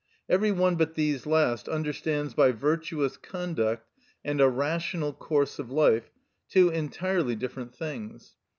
Every one but these last understands by virtuous conduct and a rational course of life two entirely different things.